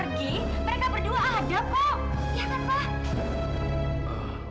tadi waktu kita pergi mereka berdua ada kok ya kan pa